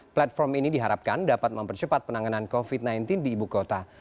platform ini diharapkan dapat mempercepat penanganan covid sembilan belas di ibu kota